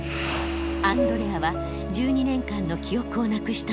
アンドレアは１２年間の記憶をなくしたのです。